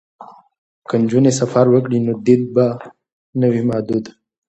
که نجونې سفر وکړي نو دید به نه وي محدود.